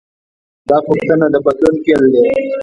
دا پوښتنه د بدلون پیل دی.